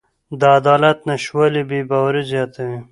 د عدالت نشتوالی بې باوري زیاتوي